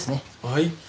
はい。